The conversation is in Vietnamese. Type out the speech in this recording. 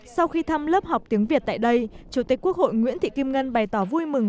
sau khi thăm lớp học tiếng việt tại đây chủ tịch quốc hội nguyễn thị kim ngân bày tỏ vui mừng